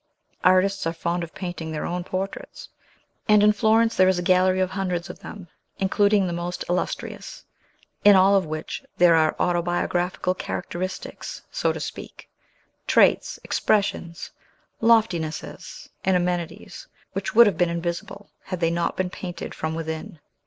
Artists are fond of painting their own portraits; and, in Florence, there is a gallery of hundreds of them, including the most illustrious, in all of which there are autobiographical characteristics, so to speak, traits, expressions, loftinesses, and amenities, which would have been invisible, had they not been painted from within.